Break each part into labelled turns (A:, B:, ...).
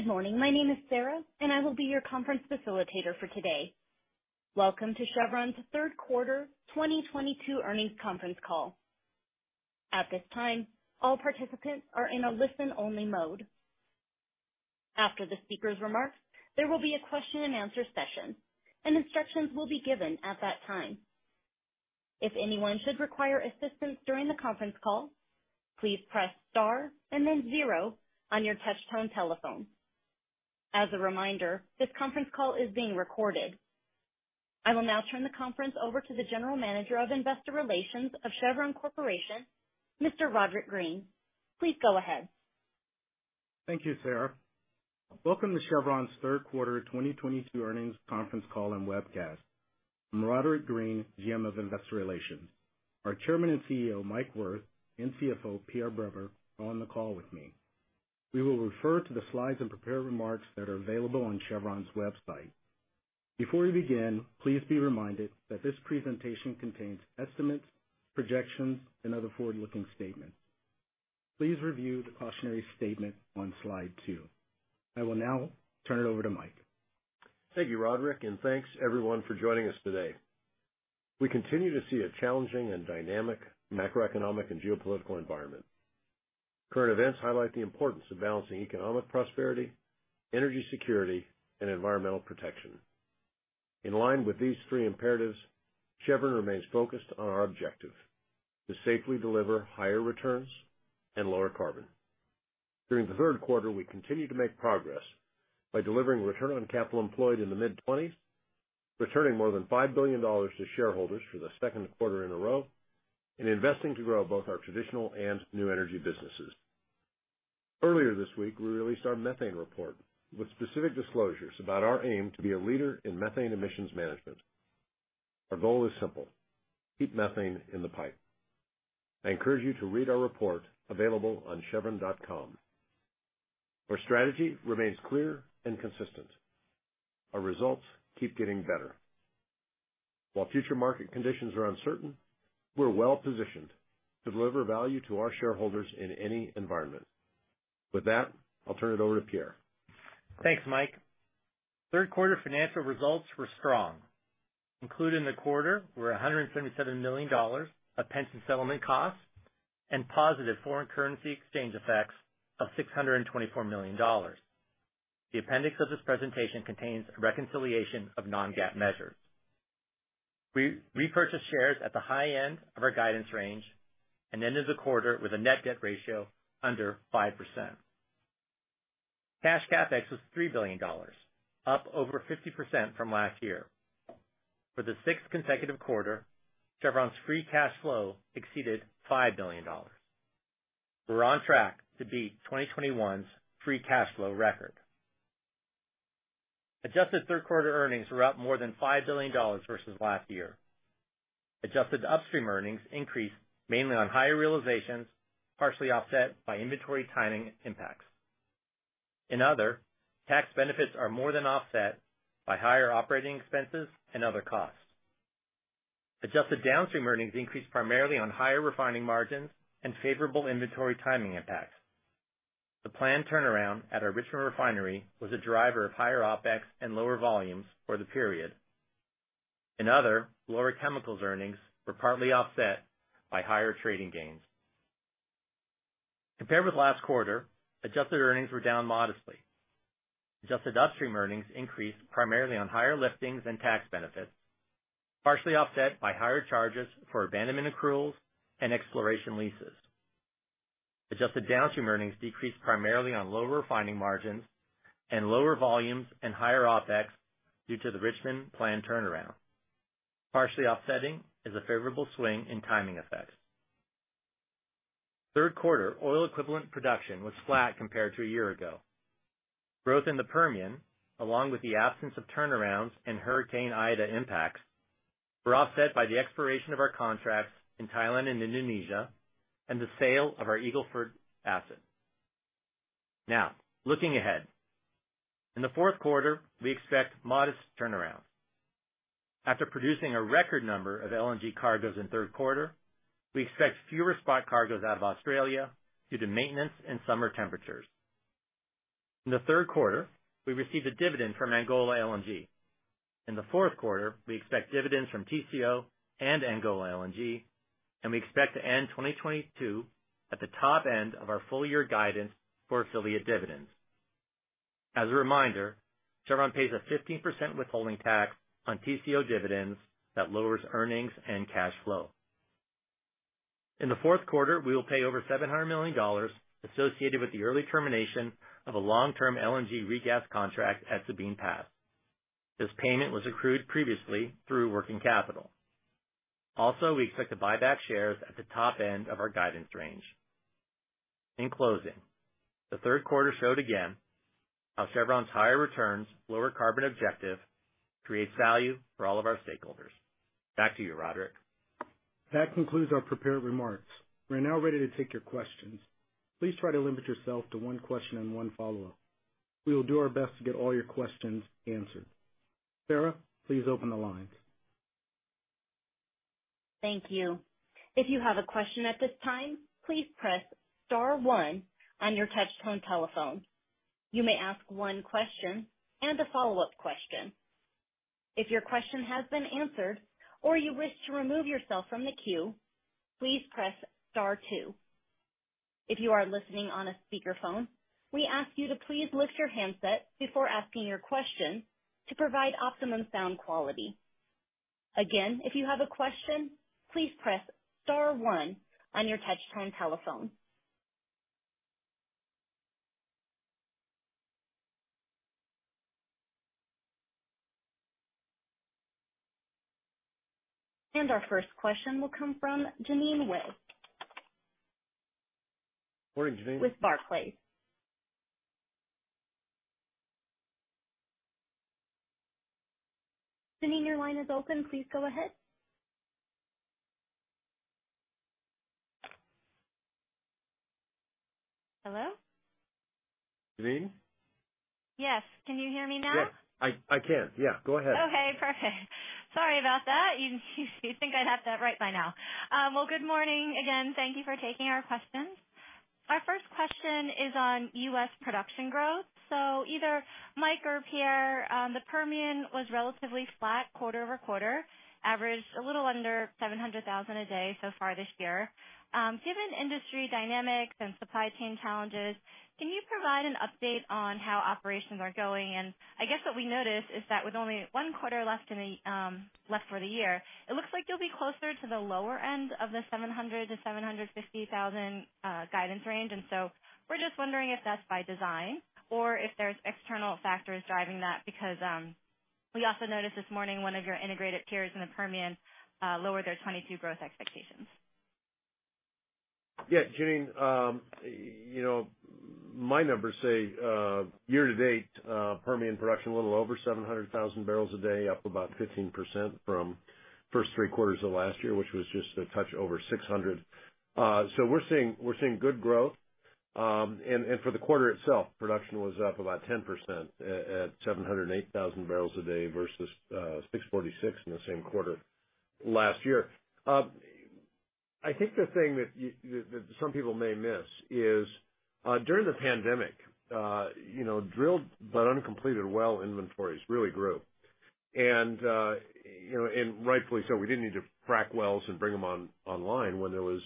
A: Good morning. My name is Sarah, and I will be your conference facilitator for today. Welcome to Chevron's Q3 2022 earnings conference call. At this time, all participants are in a listen-only mode. After the speaker's remarks, there will be a question-and-answer session, and instructions will be given at that time. If anyone should require assistance during the conference call, please press star and then zero on your touchtone telephone. As a reminder, this conference call is being recorded. I will now turn the conference over to the General Manager of Investor Relations of Chevron Corporation, Mr. Roderic Green. Please go ahead.
B: Thank you, Sarah. Welcome to Chevron's Q3 2022 earnings conference call and webcast. I'm Roderick Green, GM of Investor Relations. Our chairman and CEO, Mike Wirth, and CFO, Pierre Breber, are on the call with me. We will refer to the slides and prepared remarks that are available on Chevron's website. Before we begin, please be reminded that this presentation contains estimates, projections, and other forward-looking statements. Please review the cautionary statement on slide 2. I will now turn it over to Mike.
C: Thank you, Roderick, and thanks everyone for joining us today. We continue to see a challenging and dynamic macroeconomic and geopolitical environment. Current events highlight the importance of balancing economic prosperity, energy security, and environmental protection. In line with these three imperatives, Chevron remains focused on our objective to safely deliver higher returns and lower carbon. During the Q3, we continued to make progress by delivering return on capital employed in the mid-20s%, returning more than $5 billion to shareholders for the Q2 in a row, and investing to grow both our traditional and new energy businesses. Earlier this week, we released our methane report with specific disclosures about our aim to be a leader in methane emissions management. Our goal is simple. Keep methane in the pipe. I encourage you to read our report available on chevron.com. Our strategy remains clear and consistent. Our results keep getting better. While future market conditions are uncertain, we're well-positioned to deliver value to our shareholders in any environment. With that, I'll turn it over to Pierre.
D: Thanks, Mike. Q3 financial results were strong. Included in the quarter were $177 million of pension settlement costs and positive foreign currency exchange effects of $624 million. The appendix of this presentation contains a reconciliation of non-GAAP measures. We repurchased shares at the high end of our guidance range and ended the quarter with a net debt ratio under 5%. Cash CapEx was $3 billion, up over 50% from last year. For the sixth consecutive quarter, Chevron's free cash flow exceeded $5 billion. We're on track to beat 2021's free cash flow record. Adjusted Q3 earnings were up more than $5 billion versus last year. Adjusted upstream earnings increased mainly on higher realizations, partially offset by inventory timing impacts. In other, tax benefits are more than offset by higher operating expenses and other costs. Adjusted downstream earnings increased primarily on higher refining margins and favorable inventory timing impacts. The planned turnaround at our Richmond refinery was a driver of higher OpEx and lower volumes for the period. In other, lower chemicals earnings were partly offset by higher trading gains. Compared with last quarter, adjusted earnings were down modestly. Adjusted upstream earnings increased primarily on higher liftings and tax benefits, partially offset by higher charges for abandonment accruals and exploration leases. Adjusted downstream earnings decreased primarily on lower refining margins and lower volumes and higher OpEx due to the Richmond planned turnaround. Partially offsetting is a favorable swing in timing effects. Q3 oil equivalent production was flat compared to a year ago. Growth in the Permian, along with the absence of turnarounds and Hurricane Ida impacts, were offset by the expiration of our contracts in Thailand and Indonesia and the sale of our Eagle Ford asset. Now, looking ahead. In the Q4, we expect modest turnarounds. After producing a record number of LNG cargos in Q3, we expect fewer spot cargos out of Australia due to maintenance and summer temperatures. In the Q3, we received a dividend from Angola LNG. In the Q4, we expect dividends from TCO and Angola LNG, and we expect to end 2022 at the top end of our full year guidance for affiliate dividends. As a reminder, Chevron pays a 15% withholding tax on TCO dividends that lowers earnings and cash flow. In the Q4, we will pay over $700 million associated with the early termination of a long-term LNG regas contract at Sabine Pass. This payment was accrued previously through working capital. Also, we expect to buy back shares at the top end of our guidance range. In closing, the Q3 showed again how Chevron's higher returns, lower carbon objective creates value for all of our stakeholders. Back to you, Roderick.
B: That concludes our prepared remarks. We are now ready to take your questions. Please try to limit yourself to one question and one follow-up. We will do our best to get all your questions answered. Sarah, please open the lines.
A: Thank you. If you have a question at this time, please press star one on your touchtone telephone. You may ask one question and a follow-up question. If your question has been answered or you wish to remove yourself from the queue, please press star two. If you are listening on a speakerphone, we ask you to please lift your handset before asking your question to provide optimum sound quality. Again, if you have a question, please press star one on your touchtone telephone. Our first question will come from Jeanine Wai.
C: Morning, Jean Ann.
A: With Barclays. Jean Ann, your line is open. Please go ahead.
E: Hello?
C: Jeanine?
E: Yes. Can you hear me now?
C: Yes, I can. Yeah, go ahead.
E: Okay, perfect. Sorry about that. You'd think I'd have that right by now. Well, good morning again. Thank you for taking our questions. Our first question is on U.S. production growth. Either Mike or Pierre, the Permian was relatively flat quarter-over-quarter, averaged a little under 700,000 a day so far this year. Given industry dynamics and supply chain challenges, can you provide an update on how operations are going? I guess what we noticed is that with only one quarter left in the year, it looks like you'll be closer to the lower end of the 700,000-750,000 guidance range. We're just wondering if that's by design or if there's external factors driving that because we also noticed this morning one of your integrated peers in the Permian lowered their 2022 growth expectations.
C: Yeah, JeanAnn you know, my numbers say, year to date, Permian production a little over 700,000 barrels a day, up about 15% from first three quarters of last year, which was just a touch over 600. We're seeing good growth. For the quarter itself, production was up about 10% at 708,000 barrels a day versus 646 in the same quarter last year. I think the thing that some people may miss is, during the pandemic, drilled but uncompleted well inventories really grew. Rightfully so, we didn't need to frack wells and bring them online when there was,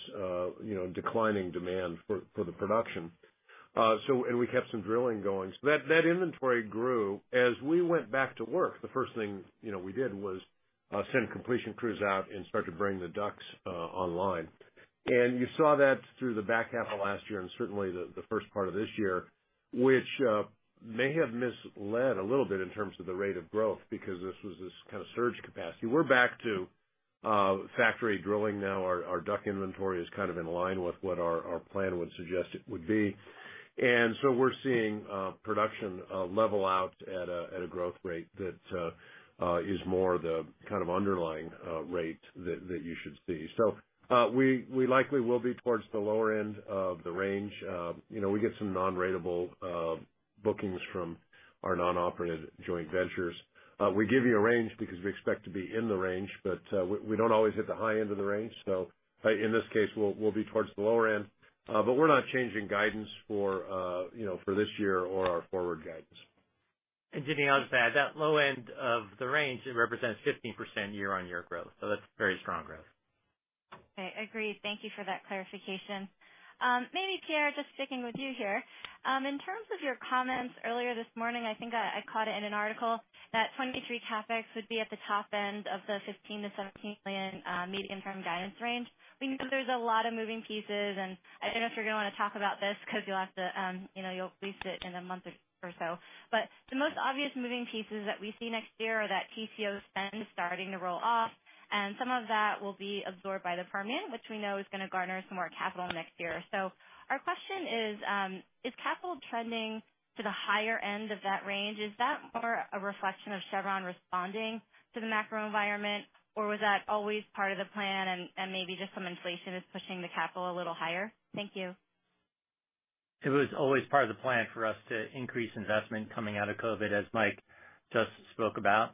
C: declining demand for the production. We kept some drilling going. That inventory grew. As we went back to work, the first thing, we did was send completion crews out and start to bring the DUCs online. You saw that through the back half of last year and certainly the first part of this year, which may have misled a little bit in terms of the rate of growth because this was this kind of surge capacity. We're back to factory drilling now. Our DUC inventory is kind of in line with what our plan would suggest it would be. We're seeing production level out at a growth rate that is more the kind of underlying rate that you should see. We likely will be towards the lower end of the range. You know, we get some non-ratable bookings from our non-operated joint ventures. We give you a range because we expect to be in the range, but we don't always hit the high end of the range. In this case, we'll be towards the lower end. We're not changing guidance for, this year or our forward guidance.
D: Janine, I'll just add, that low end of the range, it represents 15% year-on-year growth, so that's very strong growth.
E: Okay, agreed. Thank you for that clarification. Maybe, Pierre, just sticking with you here. In terms of your comments earlier this morning, I think I caught it in an article that 2023 CapEx would be at the top end of the $15 billion-$17 billion medium-term guidance range. We know there's a lot of moving pieces, and I don't know if you're gonna wanna talk about this 'cause you'll have to, you'll release it in a month or so. The most obvious moving pieces that we see next year are that TCO spend starting to roll off, and some of that will be absorbed by the Permian, which we know is gonna garner some more capital next year. Our question is capital trending to the higher end of that range? Is that more a reflection of Chevron responding to the macro environment, or was that always part of the plan and maybe just some inflation is pushing the capital a little higher? Thank you.
D: It was always part of the plan for us to increase investment coming out of COVID, as Mike just spoke about.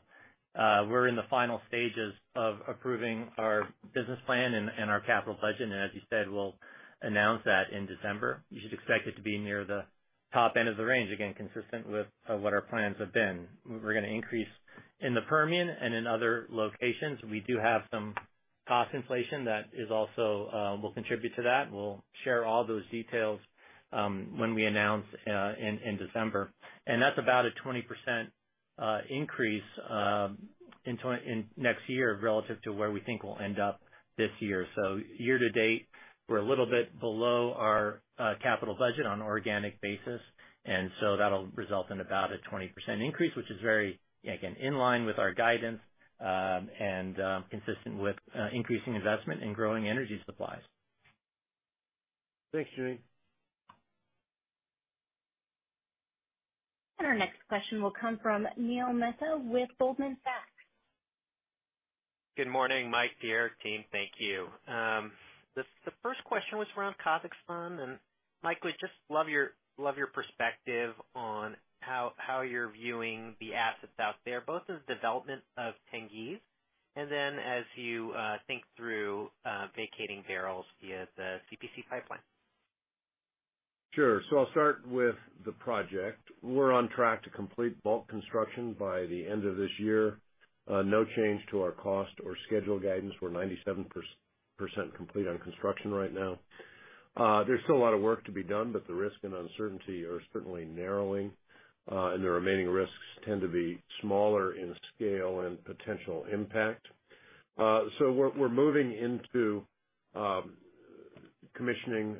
D: We're in the final stages of approving our business plan and our capital budget. As you said, we'll announce that in December. You should expect it to be near the top end of the range, again, consistent with what our plans have been. We're gonna increase in the Permian and in other locations. We do have some cost inflation that is also will contribute to that. We'll share all those details when we announce in December. That's about a 20% increase in next year relative to where we think we'll end up this year. Year to date, we're a little bit below our capital budget on an organic basis. That'll result in about a 20% increase, which is very, again, in line with our guidance, and consistent with increasing investment in growing energy supplies.
C: Thanks, Jean Ann Salisbury.
A: Our next question will come from Neil Mehta with Goldman Sachs.
F: Good morning, Mike, Pierre, team. Thank you. The first question was around Kazakhstan. Mike, we'd just love your perspective on how you're viewing the assets out there, both the development of Tengiz, and then as you think through evacuating barrels via the CPC pipeline.
C: Sure. I'll start with the project. We're on track to complete bulk construction by the end of this year. No change to our cost or schedule guidance. We're 97% complete on construction right now. There's still a lot of work to be done, but the risk and uncertainty are certainly narrowing, and the remaining risks tend to be smaller in scale and potential impact. We're moving into commissioning,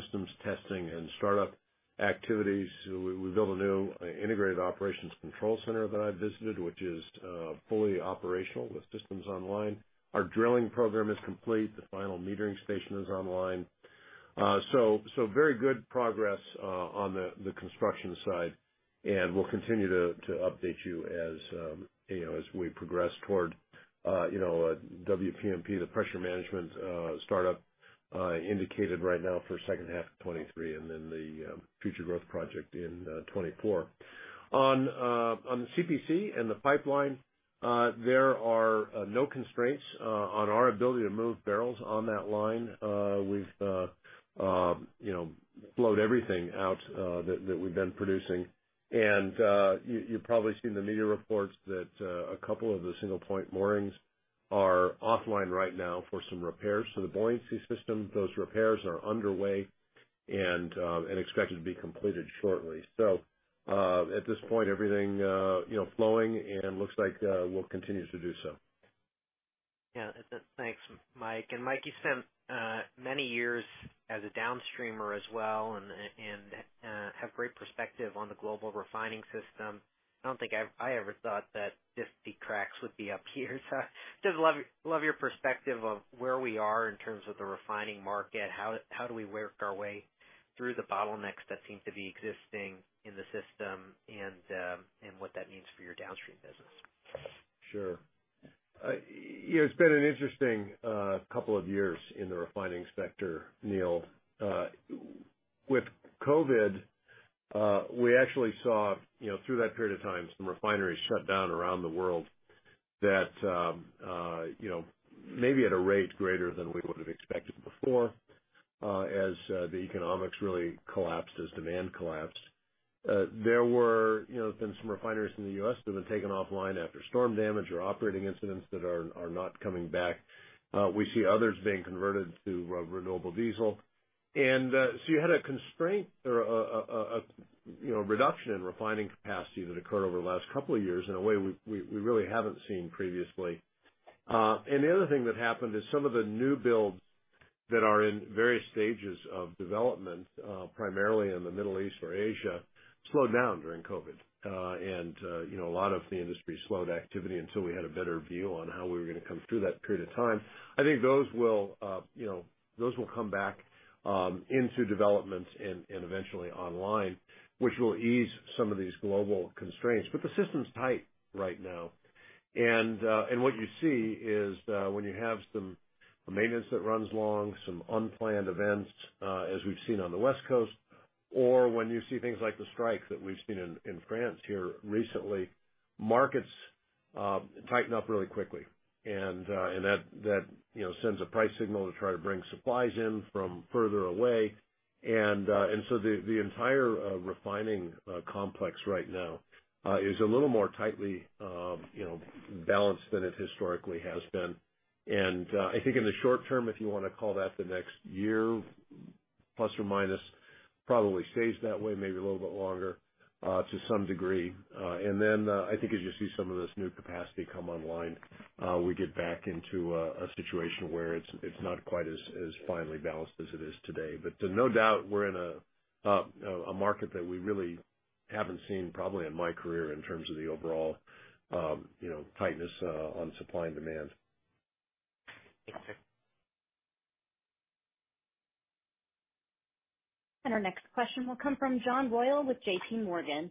C: systems testing and startup activities. We built a new integrated operations control center that I visited, which is fully operational with systems online. Our drilling program is complete. The final metering station is online. Very good progress on the construction side, and we'll continue to update you as we progress toward WPMP, the pressure management startup indicated right now for second half of 2023, and then the future growth project in 2024. On the CPC and the pipeline, there are no constraints on our ability to move barrels on that line. We've flowed everything out that we've been producing. You've probably seen the media reports that a couple of the single point moorings are offline right now for some repairs to the buoyancy system. Those repairs are underway and expected to be completed shortly. At this point, everything flowing and looks like will continue to do so.
F: Yeah, thanks, Mike. Mike, you spent many years as a downstreamer as well and have great perspective on the global refining system. I don't think I've ever thought that the cracks would be up here. Just love your perspective of where we are in terms of the refining market, how do we work our way through the bottlenecks that seem to be existing in the system and what that means for your downstream business?
C: Sure. You know, it's been an interesting couple of years in the refining sector, Neil. With COVID, we actually saw, through that period of time, some refineries shut down around the world that maybe at a rate greater than we would have expected before, as the economics really collapsed as demand collapsed. There have been some refineries in the U.S. that have been taken offline after storm damage or operating incidents that are not coming back. We see others being converted to renewable diesel. You had a constraint or a reduction in refining capacity that occurred over the last couple of years in a way we really haven't seen previously. The other thing that happened is some of the new builds that are in various stages of development, primarily in the Middle East or Asia, slowed down during COVID. You know, a lot of the industry slowed activity until we had a better view on how we were gonna come through that period of time. I think those will, those will come back into development and eventually online, which will ease some of these global constraints. The system's tight right now. What you see is when you have some maintenance that runs long, some unplanned events, as we've seen on the West Coast, or when you see things like the strike that we've seen in France here recently, markets tighten up really quickly. That you know sends a price signal to try to bring supplies in from further away. The entire refining complex right now is a little more tightly balanced than it historically has been. I think in the short term, if you wanna call that the next year, plus or minus, probably stays that way, maybe a little bit longer, to some degree. I think as you see some of this new capacity come online, we get back into a situation where it's not quite as finely balanced as it is today. No doubt, we're in a market that we really haven't seen probably in my career in terms of the overall tightness on supply and demand.
F: Thanks, Mike.
A: Our next question will come from Jason Gabelman with TD Cowen.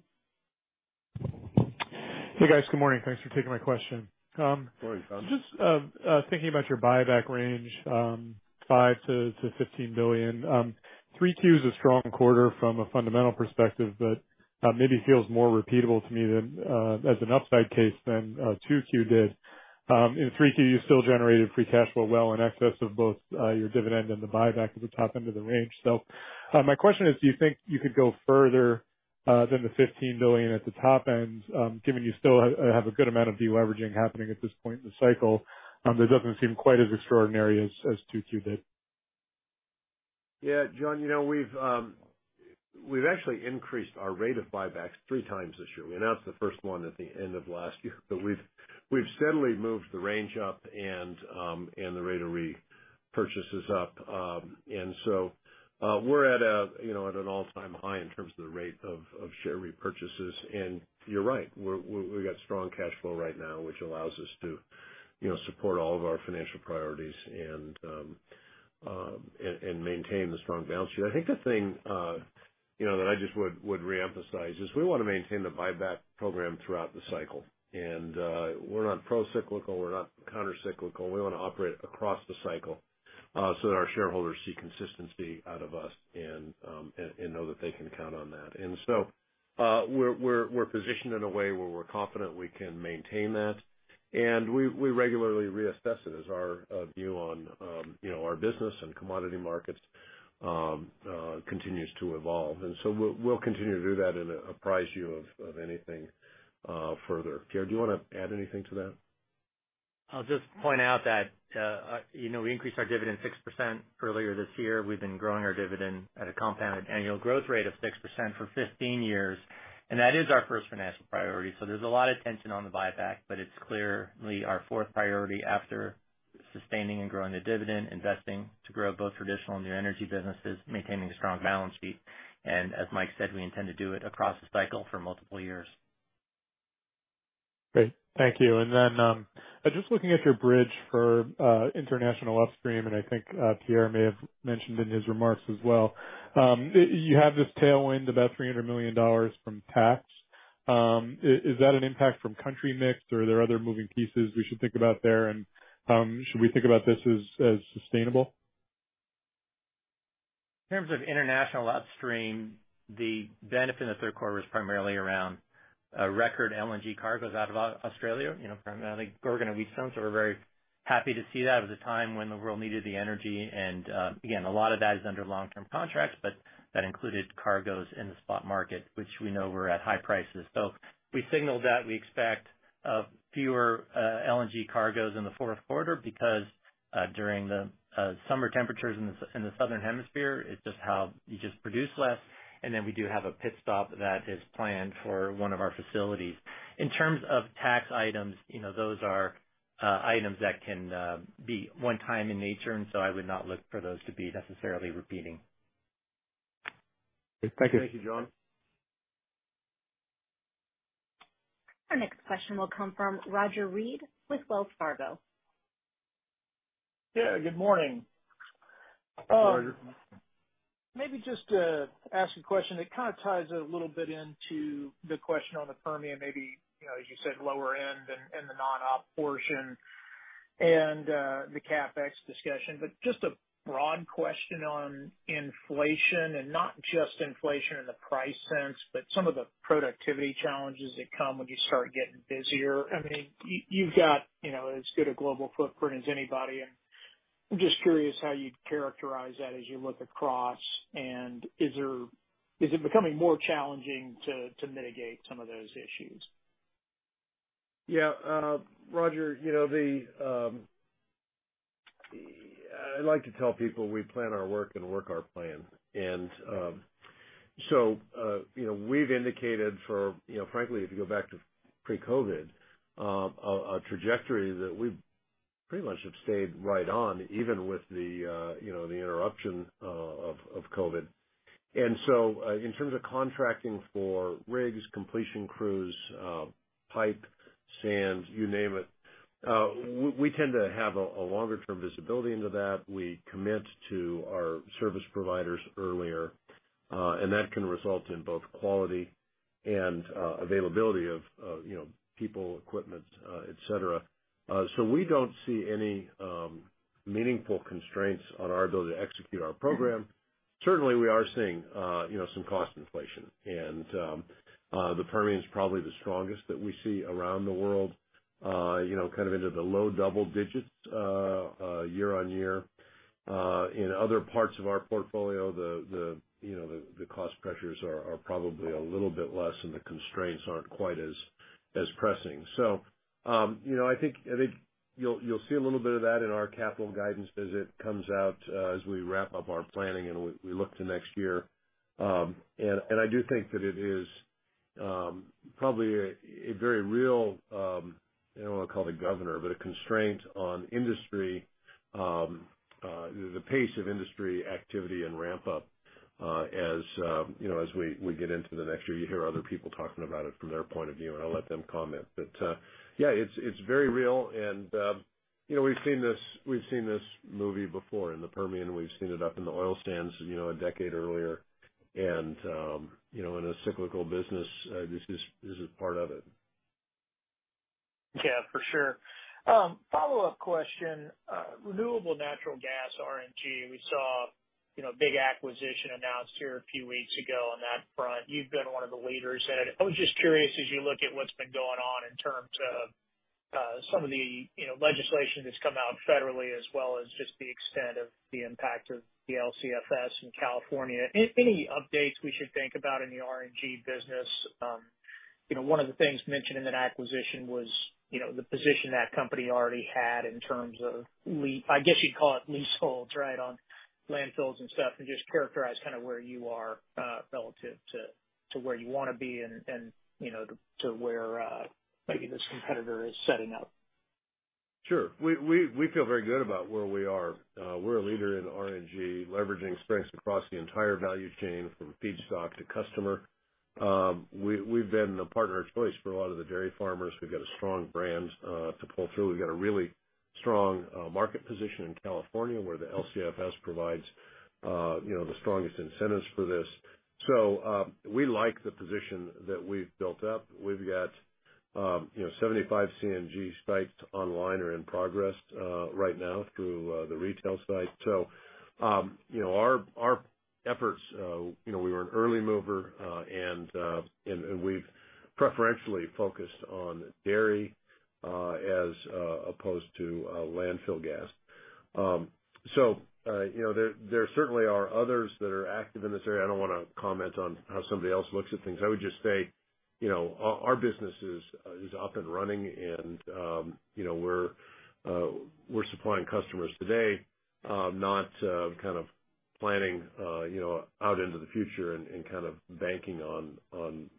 G: Hey, guys. Good morning. Thanks for taking my question.
C: Good morning, Jason.
G: Just thinking about your buyback range, $5 billion-$15 billion. 3Q is a strong quarter from a fundamental perspective, but maybe feels more repeatable to me than as an upside case 2Q did. In 3Q, you still generated free cash flow well in excess of both your dividend and the buyback at the top end of the range. My question is, do you think you could go further than the $15 billion at the top end, given you still have a good amount of deleveraging happening at this point in the cycle, that doesn't seem quite as extraordinary as 2Q did?
C: Yeah, Jason, you know, we've actually increased our rate of buybacks three times this year. We announced the first one at the end of last year, but we've steadily moved the range up and the rate of re-purchases up. We're at a at an all-time high in terms of the rate of share repurchases. You're right, we've got strong cash flow right now, which allows us to, support all of our financial priorities and maintain the strong balance sheet. I think the thing, that I just would reemphasize is we wanna maintain the buyback program throughout the cycle. We're not procyclical. We're not countercyclical. We wanna operate across the cycle, so that our shareholders see consistency out of us and know that they can count on that. We're positioned in a way where we're confident we can maintain that. We regularly reassess it as our view on, our business and commodity markets continues to evolve. We'll continue to do that and apprise you of anything further. Pierre, do you wanna add anything to that?
D: I'll just point out that, we increased our dividend 6% earlier this year. We've been growing our dividend at a compounded annual growth rate of 6% for 15 years, and that is our first financial priority. There's a lot of tension on the buyback, but it's clearly our fourth priority after sustaining and growing the dividend, investing to grow both traditional and new energy businesses, maintaining a strong balance sheet. As Mike said, we intend to do it across the cycle for multiple years.
G: Great. Thank you. Just looking at your bridge for international upstream, and I think Pierre may have mentioned in his remarks as well, you have this tailwind, about $300 million from tax. Is that an impact from country mix, or are there other moving pieces we should think about there? Should we think about this as sustainable?
D: In terms of international upstream, the benefit in the Q3 is primarily around record LNG cargoes out of Australia, from, I think Gorgon and Wheatstone. We're very happy to see that at the time when the world needed the energy. Again, a lot of that is under long-term contracts, but that included cargoes in the spot market, which we know were at high prices. We signaled that we expect fewer LNG cargoes in the Q4 because during the summer temperatures in the Southern Hemisphere, it's just how you just produce less. Then we do have a pit stop that is planned for one of our facilities. In terms of tax items, those are items that can be one time in nature, and so I would not look for those to be necessarily repeating.
G: Thank you.
C: Thank you, John.
A: Our next question will come from Roger Read with Wells Fargo.
H: Yeah, good morning.
C: Roger.
H: Maybe just to ask a question that kind of ties a little bit into the question on the Permian, maybe, as you said, lower end and the non-op portion and the CapEx discussion. But just a broad question on inflation, and not just inflation in the price sense, but some of the productivity challenges that come when you start getting busier. I mean, you've got, as good a global footprint as anybody, and I'm just curious how you'd characterize that as you look across. Is it becoming more challenging to mitigate some of those issues?
C: Yeah, Roger, you know, I like to tell people we plan our work and work our plan. You know, frankly, if you go back to pre-COVID, a trajectory that we pretty much have stayed right on, even with the interruption of COVID. In terms of contracting for rigs, completion crews, pipe, sand, you name it, we tend to have a longer term visibility into that. We commit to our service providers earlier, and that can result in both quality and availability of people, equipment, et cetera. We don't see any meaningful constraints on our ability to execute our program. Certainly, we are seeing, some cost inflation, and the Permian is probably the strongest that we see around the world, kind of into the low double digits, year-over-year. In other parts of our portfolio, the cost pressures are probably a little bit less, and the constraints aren't quite as pressing. You know, I think you'll see a little bit of that in our capital guidance as it comes out, as we wrap up our planning and we look to next year. I do think that it is probably a very real, I don't wanna call it a governor, but a constraint on the pace of industry activity and ramp up, as you know, as we get into the next year. You hear other people talking about it from their point of view, and I'll let them comment. Yeah, it's very real and we've seen this movie before. In the Permian, we've seen it up in the oil sands, a decade earlier. You know, in a cyclical business, this is part of it.
H: Yeah, for sure. Follow-up question. Renewable natural gas, RNG, we saw, a big acquisition announced here a few weeks ago on that front. You've been one of the leaders in it. I was just curious, as you look at what's been going on in terms of some of the legislation that's come out federally as well as just the extent of the impact of the LCFS in California. Any updates we should think about in the RNG business? You know, one of the things mentioned in that acquisition was, the position that company already had in terms of, I guess you'd call it leaseholds, right, on landfills and stuff, and just characterize kind of where you are relative to where you wanna be and where maybe this competitor is setting up.
C: Sure. We feel very good about where we are. We're a leader in RNG, leveraging strengths across the entire value chain, from feedstock to customer. We've been the partner of choice for a lot of the dairy farmers. We've got a strong brand to pull through. We've got a really strong market position in California, where the LCFS provides the strongest incentives for this. We like the position that we've built up. We've got 75 CNG sites online or in progress right now through the retail site. You know, our efforts we were an early mover and we've preferentially focused on dairy as opposed to landfill gas. You know, there certainly are others that are active in this area. I don't wanna comment on how somebody else looks at things. I would just say, our business is up and running and we're supplying customers today, not kind of planning, out into the future and kind of banking on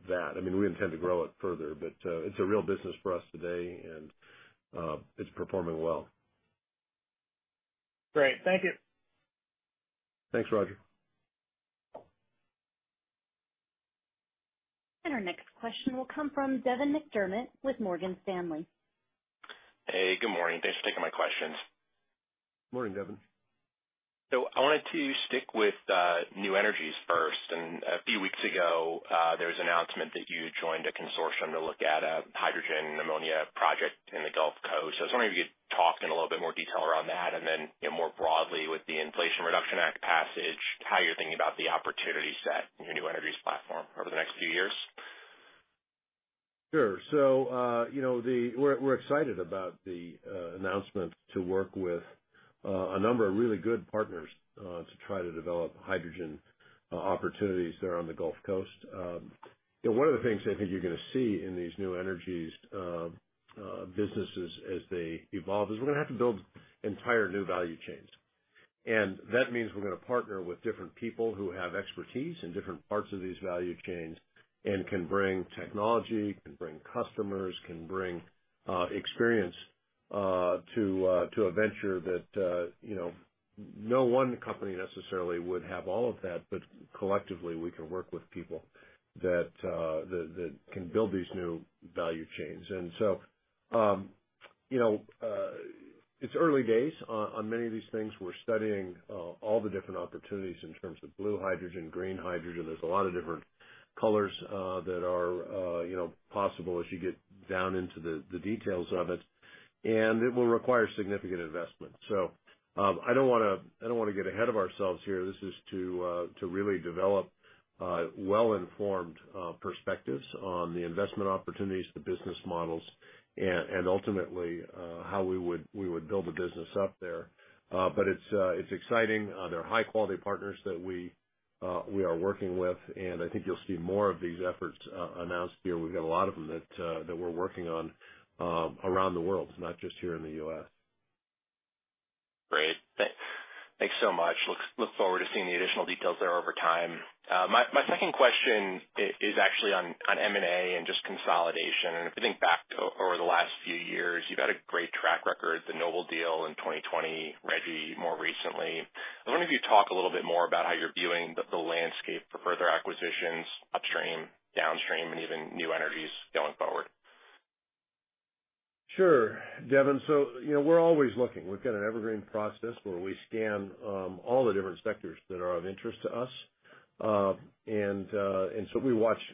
C: that. I mean, we intend to grow it further, but it's a real business for us today and it's performing well.
H: Great. Thank you.
C: Thanks, Roger.
A: Our next question will come from Devin McDermott with Morgan Stanley.
I: Hey, good morning. Thanks for taking my questions.
C: Morning, Devin.
I: I wanted to stick with new energies first. A few weeks ago, there was an announcement that you joined a consortium to look at a hydrogen ammonia project in the Gulf Coast. I was wondering if you could talk in a little bit more detail around that. Then, more broadly with the Inflation Reduction Act passage, how you're thinking about the opportunity set in your new energies platform over the next few years.
C: Sure. We're excited about the announcement to work with a number of really good partners to try to develop hydrogen opportunities there on the Gulf Coast. You know, one of the things I think you're gonna see in these new energies businesses as they evolve is we're gonna have to build entire new value chains. That means we're gonna partner with different people who have expertise in different parts of these value chains and can bring technology, can bring customers, can bring experience to a venture that you know, no one company necessarily would have all of that, but collectively, we can work with people that can build these new value chains. You know, it's early days on many of these things. We're studying all the different opportunities in terms of blue hydrogen, green hydrogen. There's a lot of different colors that are, you know, possible as you get down into the details of it, and it will require significant investment. I don't wanna get ahead of ourselves here. This is to really develop well-informed perspectives on the investment opportunities, the business models, and ultimately how we would build a business up there. It's exciting. There are high-quality partners that we are working with, and I think you'll see more of these efforts announced here. We've got a lot of them that we're working on around the world, not just here in the U.S.
I: Great. Thanks so much. Look forward to seeing the additional details there over time. My second question is actually on M&A and just consolidation. If you think back over the last few years, you've had a great track record, the Noble Energy deal in 2020, Renewable Energy Group more recently. I was wondering if you could talk a little bit more about how you're viewing the landscape for further acquisitions upstream, downstream, and even new energies going forward.
C: Sure, Devon. You know, we're always looking. We've got an evergreen process where we scan all the different sectors that are of interest to us.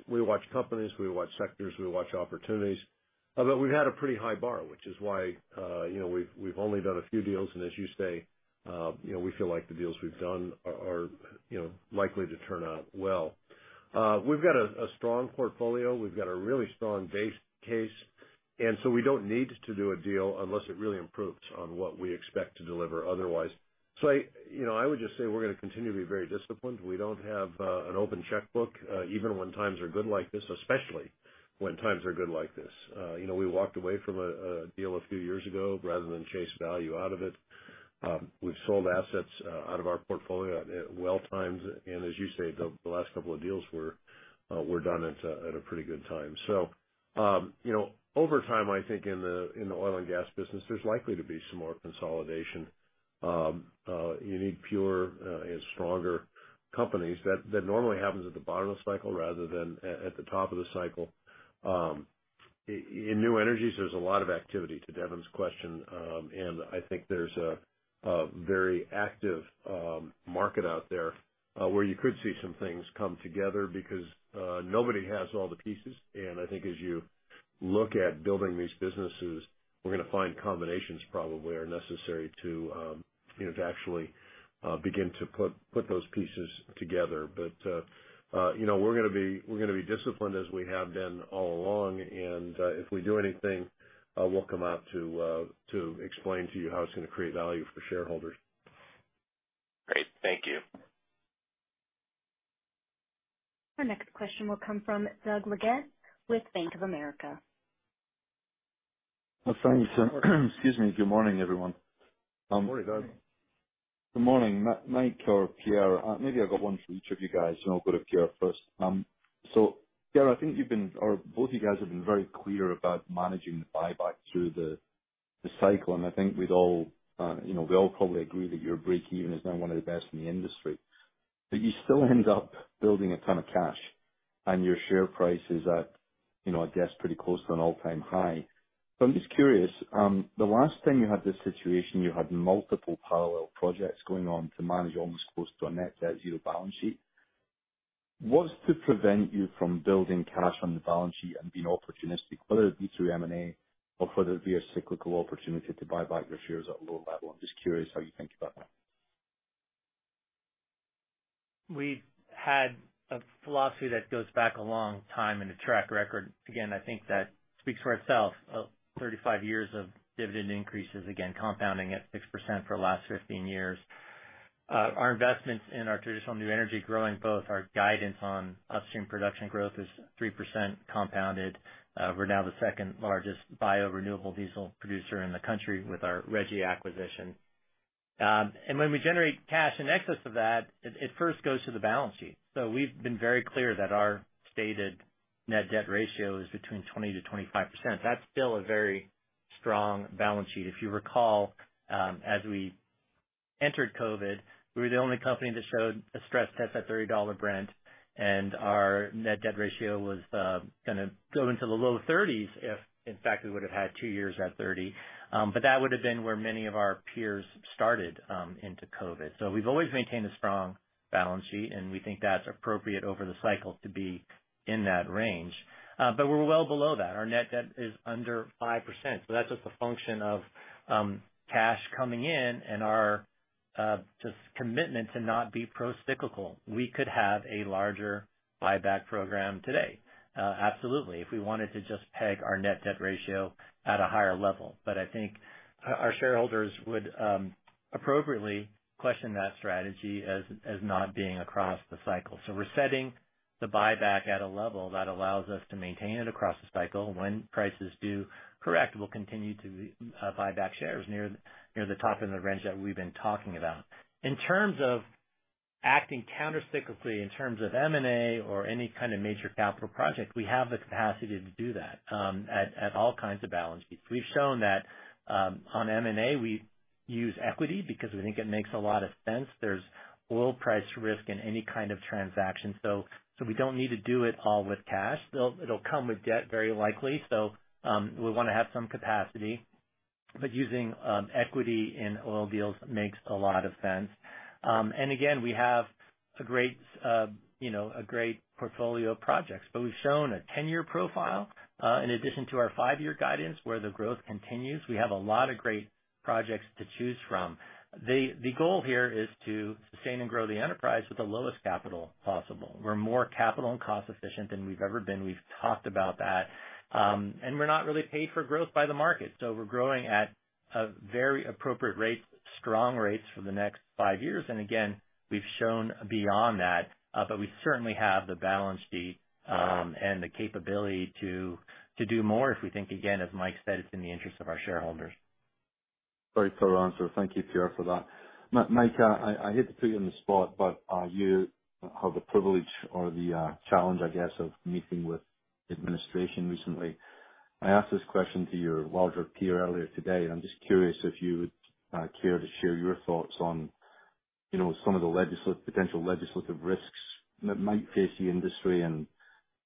C: We watch companies, we watch sectors, we watch opportunities. We've had a pretty high bar, which is why we've only done a few deals. As you say, we feel like the deals we've done are likely to turn out well. We've got a strong portfolio. We've got a really strong base case; we don't need to do a deal unless it really improves on what we expect to deliver otherwise. I you know would just say we're gonna continue to be very disciplined. We don't have an open checkbook even when times are good like this, especially when times are good like this. You know, we walked away from a deal a few years ago rather than chase value out of it. We've sold assets out of our portfolio at well times, and as you say, the last couple of deals were done at a pretty good time. You know, over time, I think in the oil and gas business, there's likely to be some more consolidation. You need fewer and stronger companies. That normally happens at the bottom of the cycle rather than at the top of the cycle. In new energies, there's a lot of activity to Devon’s question, and I think there's a very active market out there where you could see some things come together because nobody has all the pieces. I think as you look at building these businesses, we're gonna find combinations probably are necessary to you know, to actually begin to put those pieces together. You know, we're gonna be disciplined as we have been all along, and if we do anything, we'll come out to explain to you how it's gonna create value for shareholders.
I: Great. Thank you.
A: Our next question will come from Doug Leggate with Bank of America.
J: Thanks, excuse me. Good morning, everyone.
C: Good morning, Doug.
J: Good morning, Mike or Pierre. Maybe I've got one for each of you guys. I'll go to Pierre first. Pierre, I think or both of you guys have been very clear about managing the buyback through the cycle, and I think we'd all, you know, we all probably agree that your breakeven is now one of the best in the industry. You still end up building a ton of cash, and your share price is at, you know, I guess, pretty close to an all-time high. I'm just curious, the last time you had this situation, you had multiple parallel projects going on to manage almost close to a net debt zero balance sheet. What's to prevent you from building cash on the balance sheet and being opportunistic, whether it be through M&A or whether it be a cyclical opportunity to buy back your shares at a lower level? I'm just curious how you think about that.
D: We've had a philosophy that goes back a long time and a track record, again, I think that speaks for itself of 35 years of dividend increases, again compounding at 6% for the last 15 years. Our investments in our traditional new energy growing both our guidance on upstream production growth is 3% compounded. We're now the second-largest biorenewable diesel producer in the country with our Renewable Energy Group acquisition. When we generate cash in excess of that, it first goes to the balance sheet. We've been very clear that our stated net debt ratio is between 20%-25%. That's still a very strong balance sheet. If you recall, as we entered COVID, we were the only company that showed a stress test at $30 Brent, and our net debt ratio was gonna go into the low 30s if in fact we would've had two years at $30. That would've been where many of our peers started into COVID. We've always maintained a strong balance sheet, and we think that's appropriate over the cycle to be in that range. We're well below that. Our net debt is under 5%, so that's just a function of cash coming in and our just commitment to not be pro-cyclical. We could have a larger buyback program today, absolutely, if we wanted to just peg our net debt ratio at a higher level. I think our shareholders would appropriately question that strategy as not being across the cycle. We're setting the buyback at a level that allows us to maintain it across the cycle. When prices do correct, we'll continue to buy back shares near the top end of the range that we've been talking about. In terms of acting countercyclically in terms of M&A or any kind of major capital project, we have the capacity to do that at all kinds of balance sheets. We've shown that on M&A, we use equity because we think it makes a lot of sense. There's oil price risk in any kind of transaction, so we don't need to do it all with cash. It'll come with debt, very likely. We wanna have some capacity, but using equity in oil deals makes a lot of sense. Again, we have a great, you know, a great portfolio of projects, but we've shown a 10-year profile in addition to our five-year guidance where the growth continues. We have a lot of great projects to choose from. The goal here is to sustain and grow the enterprise with the lowest capital possible. We're more capital and cost efficient than we've ever been. We've talked about that. We're not really paid for growth by the market, so we're growing at a very appropriate rate, strong rates for the next 5 years. Again, we've shown beyond that, but we certainly have the balance sheet and the capability to do more if we think, again, as Mike said, it's in the interest of our shareholders.
J: Very thorough answer. Thank you, Pierre, for that. Mike, I hate to put you on the spot, but you have the privilege or the challenge, I guess, of meeting with the administration recently. I asked this question to your larger peer earlier today, and I'm just curious if you would care to share your thoughts on, some of the potential legislative risks that might face the industry.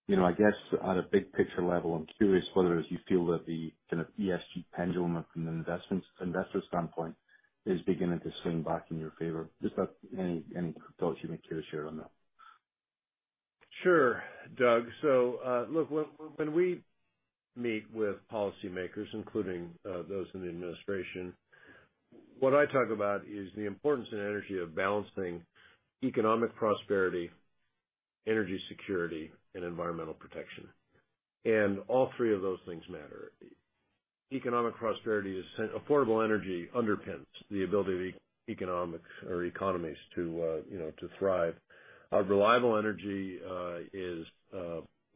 J: You know, I guess on a big picture level, I'm curious whether you feel that the kind of ESG pendulum from an investor standpoint is beginning to swing back in your favor. Just if any thoughts you would care to share on that.
C: Sure, Doug. Look, when we meet with policymakers, including those in the administration, what I talk about is the importance in energy of balancing economic prosperity, energy security, and environmental protection. All three of those things matter. Economic prosperity is affordable energy underpins the ability of economics or economies to you know to thrive. Reliable energy is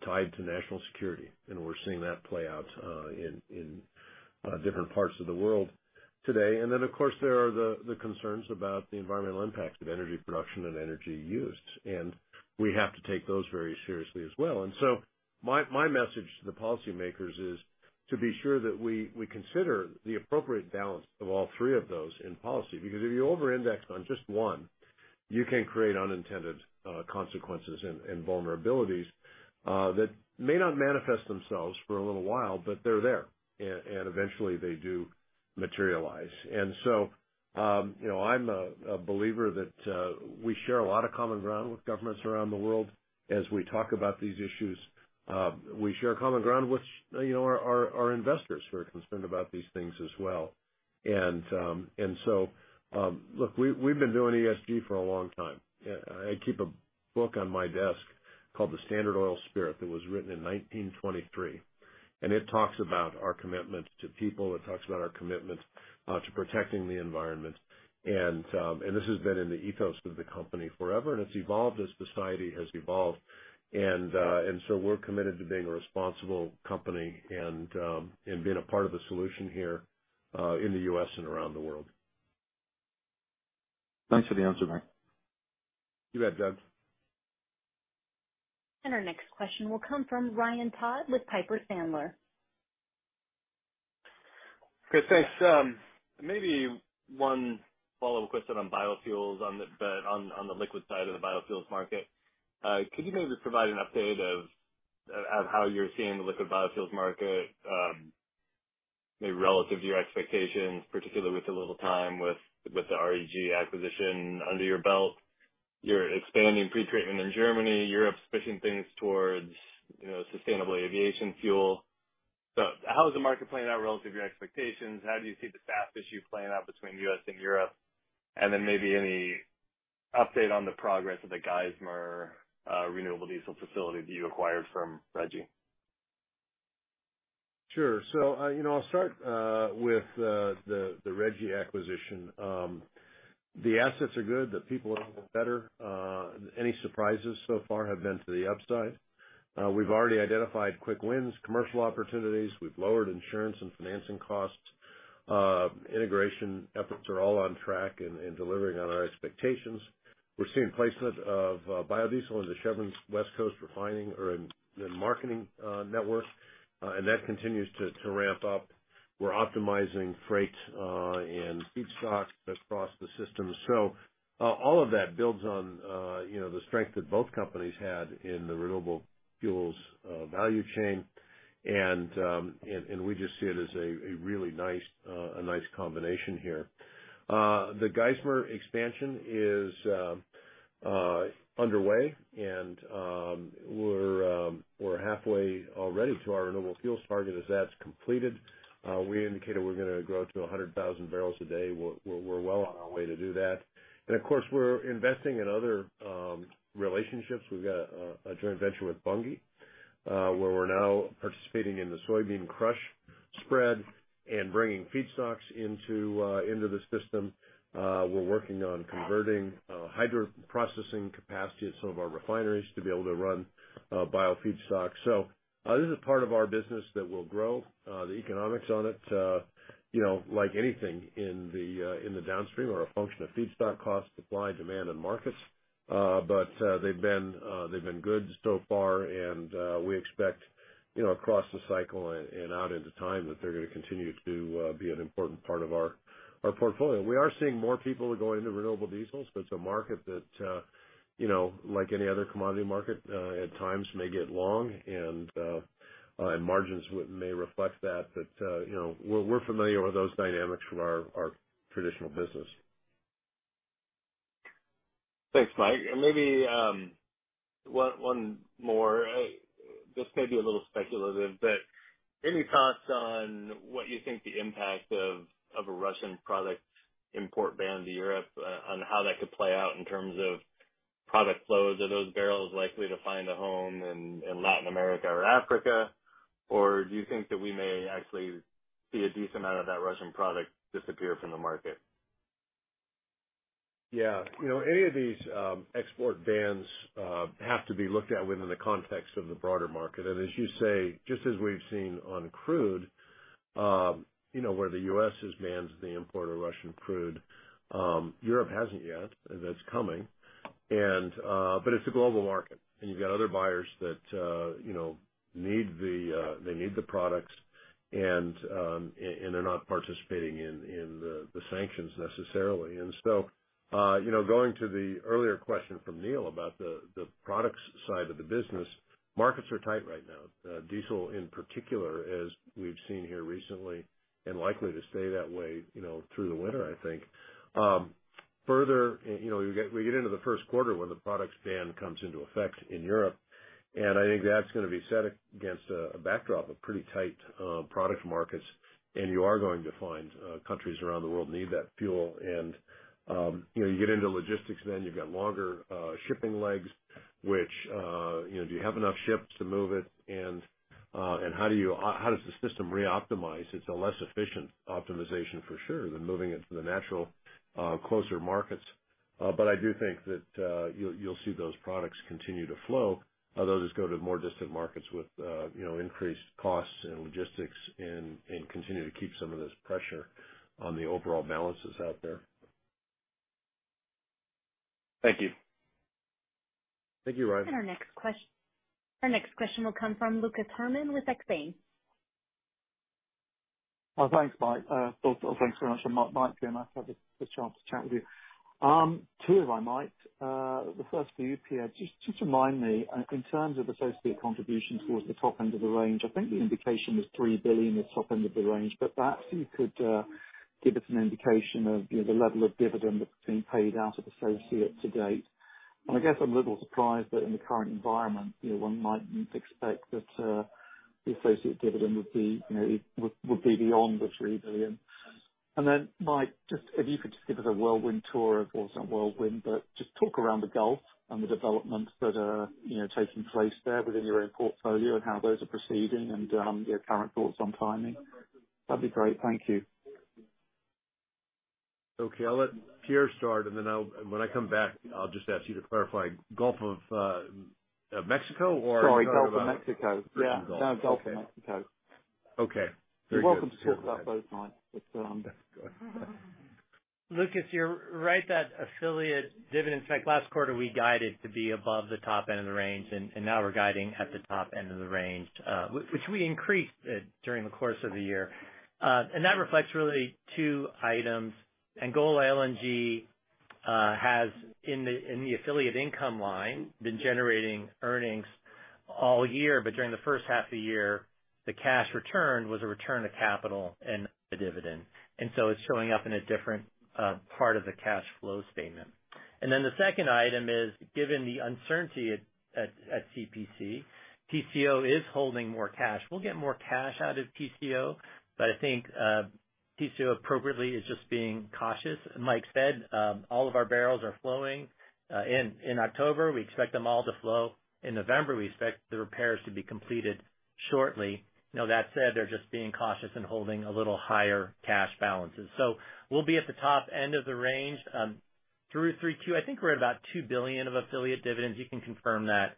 C: tied to national security, and we're seeing that play out in different parts of the world today. There are the concerns about the environmental impacts of energy production and energy use, and we have to take those very seriously as well. My message to the policymakers is to be sure that we consider the appropriate balance of all three of those in policy. Because if you over-index on just one, you can create unintended consequences and vulnerabilities that may not manifest themselves for a little while, but they're there, and eventually they do materialize. You know, I'm a believer that we share a lot of common ground with governments around the world as we talk about these issues. We share common ground, which, our investors who are concerned about these things as well. Look, we've been doing ESG for a long time. I keep a book on my desk called The Standard Oil Spirit. It was written in 1923, and it talks about our commitment to people. It talks about our commitment to protecting the environment. This has been in the ethos of the company forever, and it's evolved as society has evolved. We're committed to being a responsible company and being a part of the solution here in the U.S. and around the world.
J: Thanks for the answer, Mike.
C: You bet, Doug.
A: Our next question will come from Ryan Todd with Piper Sandler.
K: Ryan, thanks. Maybe one follow-up question on the liquid side of the biofuels market. Could you maybe just provide an update of how you're seeing the liquid biofuels market? Maybe relative to your expectations, particularly with the little time with the REG acquisition under your belt. You're expanding pretreatment in Germany. Europe's pushing things towards, sustainable aviation fuel. How is the market playing out relative to your expectations? How do you see the SAF issue playing out between U.S. and Europe? Then maybe any update on the progress of the Geismar renewable diesel facility that you acquired from REG?
C: Sure. You know, I'll start with the REG acquisition. The assets are good, the people are even better. Any surprises so far have been to the upside. We've already identified quick wins, commercial opportunities. We've lowered insurance and financing costs. Integration efforts are all on track and delivering on our expectations. We're seeing placement of biodiesel into Chevron's West Coast refining and marketing network. That continues to ramp up. We're optimizing freight and feedstock across the system. All of that builds on, the strength that both companies had in the renewable fuels value chain. We just see it as a really nice combination here. The Geismar expansion is underway, and we're halfway already to our renewable fuels target as that's completed. We indicated we're gonna grow to 100,000 barrels a day. We're well on our way to do that. Of course, we're investing in other relationships. We've got a joint venture with Bunge, where we're now participating in the soybean crush spread and bringing feedstocks into the system. We're working on converting hydro processing capacity at some of our refineries to be able to run bio feedstock. This is part of our business that will grow. The economics on it, like anything in the downstream, are a function of feedstock costs, supply, demand, and markets. They've been good so far, and we expect, across the cycle and out into time that they're gonna continue to be an important part of our portfolio. We are seeing more people are going into renewable diesels, but it's a market that, like any other commodity market, at times may get long, and margins may reflect that. You know, we're familiar with those dynamics from our traditional business.
K: Thanks, Mike. Maybe one more. This may be a little speculative, but any thoughts on what you think the impact of a Russian product import ban to Europe on how that could play out in terms of product flows? Are those barrels likely to find a home in Latin America or Africa? Or do you think that we may actually see a decent amount of that Russian product disappear from the market?
C: Yeah. You know, any of these export bans have to be looked at within the context of the broader market. As you say, just as we've seen on crude, where the U.S. has banned the import of Russian crude, Europe hasn't yet, and that's coming. It's a global market, and you've got other buyers that, need the products, and they're not participating in the sanctions necessarily. You know, going to the earlier question from Neil about the products side of the business, markets are tight right now. Diesel in particular, as we've seen here recently and likely to stay that way, you know, through the winter, I think. Further, we get into the Q1 when the products ban comes into effect in Europe, and I think that's gonna be set against a backdrop of pretty tight product markets, and you are going to find countries around the world need that fuel. You know, you get into logistics, then you've got longer shipping legs, which, do you have enough ships to move it? And how does the system reoptimize? It's a less efficient optimization for sure than moving it to the natural closer markets. I do think that you'll see those products continue to flow, though just go to more distant markets with increased costs and logistics and continue to keep some of this pressure on the overall balances out there.
L: Thank you.
C: Thank you, Ryan.
A: Our next question will come from Lucas Herrmann with Exane.
M: Thanks, Mike. Also, thanks very much, Mike. It'd be nice to have a chance to chat with you. Two, if I might. The first for you, Pierre. Just remind me in terms of associate contributions towards the top end of the range. I think the indication was $3 billion at top end of the range, but perhaps you could give us an indication of, the level of dividend that's been paid out of associates to date. I guess I'm a little surprised that in the current environment, one might expect that the associate dividend would be, would be beyond the $3 billion. Then, Mike, just if you could just give us a whirlwind tour of. Well, it's not whirlwind, but just talk around the Gulf and the developments that are, taking place there within your own portfolio and how those are proceeding and, your current thoughts on timing. That'd be great. Thank you.
C: Okay. I'll let Pierre start, and then I'll, and when I come back, I'll just ask you to clarify. Gulf of Mexico or-
M: Sorry, Gulf of Mexico.
C: Gulf of Mexico.
M: Yeah. No, Gulf of Mexico.
C: Okay. Very good.
M: You're welcome to talk about both, Mike. It's.
C: Go ahead.
D: Lucas, you're right that affiliate dividends, in fact, last quarter, we guided to be above the top end of the range. Now we're guiding at the top end of the range, which we increased during the course of the year. That reflects really two items. Angola LNG has in the affiliate income line been generating earnings all year, but during the first half of the year, the cash return was a return of capital and a dividend. It's showing up in a different part of the cash flows statement. The second item is, given the uncertainty at CPC, TCO is holding more cash. We'll get more cash out of TCO, but I think TCO appropriately is just being cautious. Mike Wirth said all of our barrels are flowing in October. We expect them all to flow in November. We expect the repairs to be completed shortly. Now, that said, they're just being cautious and holding a little higher cash balances. We'll be at the top end of the range through 3Q22. I think we're at about $2 billion of affiliate dividends. You can confirm that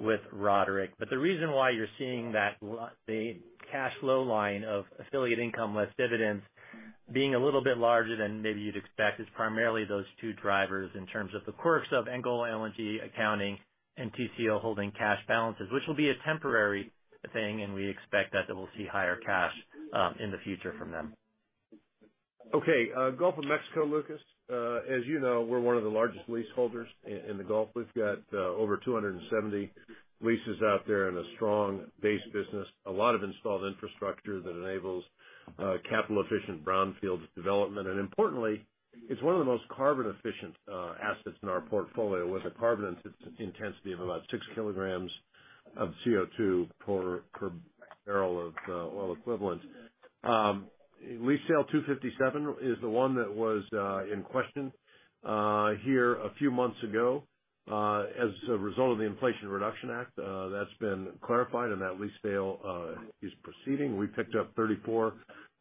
D: with Roderick. The reason why you're seeing the cash flow line of affiliate income less dividends being a little bit larger than maybe you'd expect is primarily those two drivers in terms of the quirks of Angola LNG accounting and TCO holding cash balances, which will be a temporary thing, and we expect that we'll see higher cash in the future from them.
C: Gulf of Mexico, Lucas. As you know, we're one of the largest leaseholders in the Gulf. We've got over 270 leases out there and a strong base business. A lot of installed infrastructure that enables capital-efficient brownfield development. Importantly, it's one of the most carbon efficient assets in our portfolio with a carbon intensity of about 6 kilograms of CO2 per barrel of oil equivalent. Lease Sale 257 is the one that was in question here a few months ago. As a result of the Inflation Reduction Act, that's been clarified, and that lease sale is proceeding. We picked up 34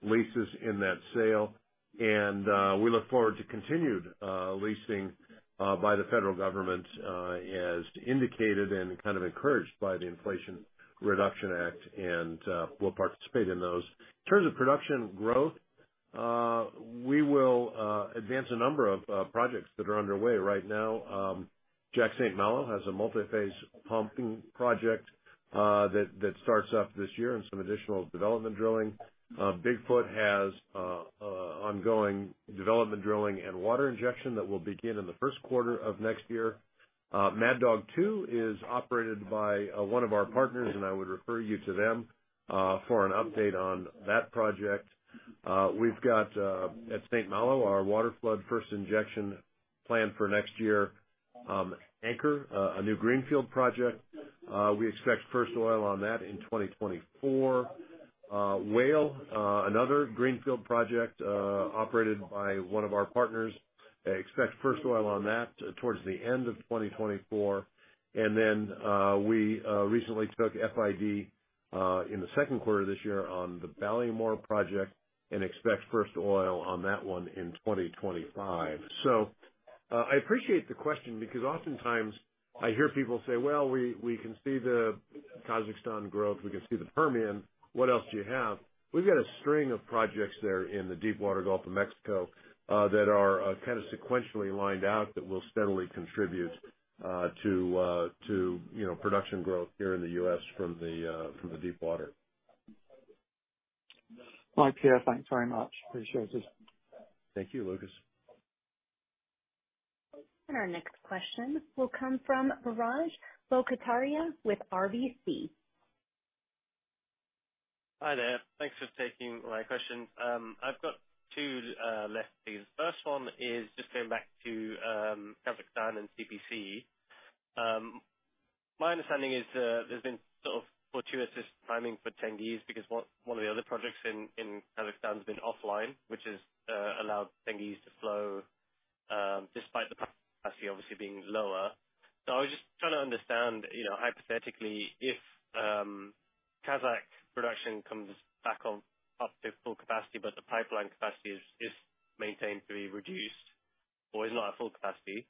C: leases in that sale, and we look forward to continued leasing by the federal government, as indicated and kind of encouraged by the Inflation Reduction Act, and we'll participate in those. In terms of production growth, we will advance a number of projects that are underway right now. Jack St. Malo has a multi-phase pumping project that starts up this year and some additional development drilling. Bigfoot has ongoing development drilling and water injection that will begin in the Q1 of next year. Mad Dog Two is operated by one of our partners, and I would refer you to them for an update on that project. We've got at St. Malo our water flood first injection planned for next year. Anchor, a new greenfield project, we expect first oil on that in 2024. Whale, another greenfield project, operated by one of our partners, expect first oil on that towards the end of 2024. We recently took FID in the Q2 of this year on the Ballymore project and expect first oil on that one in 2025. I appreciate the question because oftentimes I hear people say, "Well, we can see the Kazakhstan growth. We can see the Permian. What else do you have?" We've got a string of projects there in the deepwater Gulf of Mexico that are kind of sequentially lined out that will steadily contribute to production growth here in the U.S. from the deepwater.
M: Mike, yeah, thanks very much. Appreciate it.
C: Thank you, Lucas.
A: Our next question will come from Biraj Borkhataria with RBC.
N: Hi there. Thanks for taking my questions. I've got two left, please. First one is just going back to Kazakhstan and CPC. My understanding is there's been sort of fortuitous timing for Tengiz because one of the other projects in Kazakhstan has been offline, which has allowed Tengiz to flow despite the capacity obviously being lower. I was just trying to understand, hypothetically, if Kazakh production comes back on up to full capacity, but the pipeline capacity is maintained to be reduced or is not at full capacity,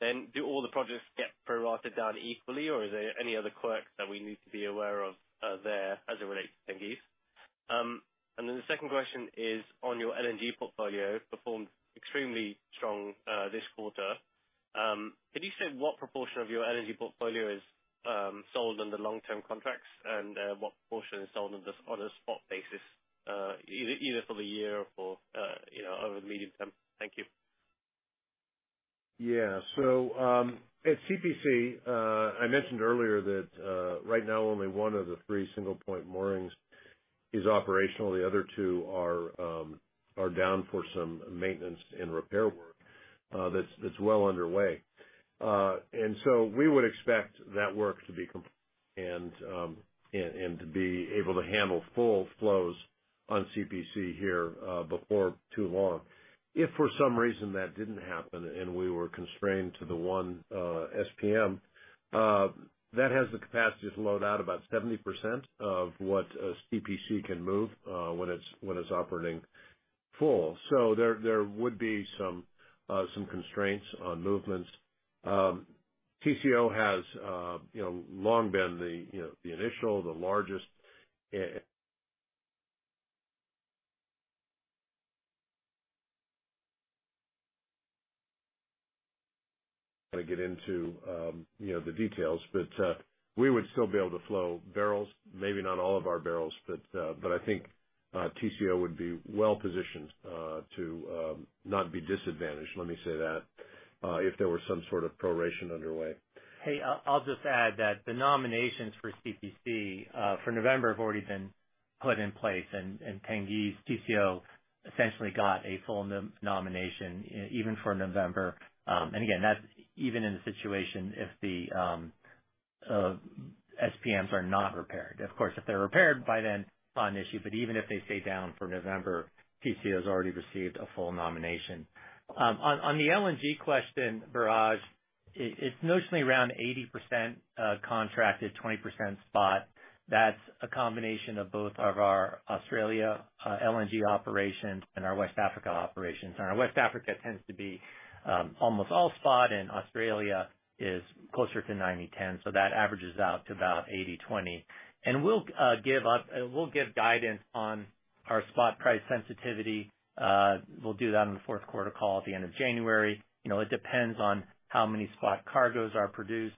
N: then do all the projects get prorated down equally, or is there any other quirks that we need to be aware of there as it relates to Tengiz? The second question is on your LNG portfolio, performed extremely strong this quarter. Can you say what proportion of your LNG portfolio is sold under long-term contracts and what proportion is sold on a spot basis either for the year or for over the medium term? Thank you.
C: Yeah. At CPC, I mentioned earlier that right now only one of the three single-point moorings is operational. The other two are down for some maintenance and repair work that's well underway. We would expect that work to be complete and to be able to handle full flows on CPC here before too long. If for some reason that didn't happen and we were constrained to the one SPM that has the capacity to load out about 70% of what a CPC can move when it's operating full. There would be some constraints on movements. TCO has long been the largest. I don't want to get into the details, but we would still be able to flow barrels, maybe not all of our barrels, but I think TCO would be well-positioned to not be disadvantaged, let me say that, if there were some sort of proration underway.
D: Hey, I'll just add that the nominations for CPC for November have already been put in place, and Tengiz's TCO essentially got a full nomination even for November. Again, that's even in the situation if the SPMs are not repaired. Of course, if they're repaired by then, no issue, but even if they stay down for November, TCO's already received a full nomination. On the LNG question, Biraj, it's notionally around 80% contracted, 20% spot. That's a combination of both of our Australia LNG operations and our West Africa operations. Our West Africa tends to be almost all spot, and Australia is closer to 90/10, so that averages out to about 80/20. We'll give guidance on our spot price sensitivity. We'll do that on the Q4 call at the end of January. You know, it depends on how many spot cargoes are produced,